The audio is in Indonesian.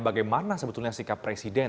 bagaimana sebetulnya sikap presiden